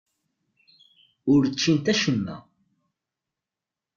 Ur ččint acemma.